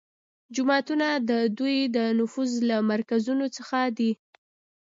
جوماتونه د دوی د نفوذ له مرکزونو څخه دي